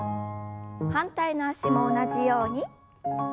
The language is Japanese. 反対の脚も同じように。